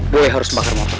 gue yang harus bakar motor